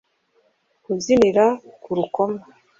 kubyinira ku rukoma